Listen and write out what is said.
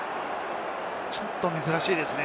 ちょっと珍しいですね。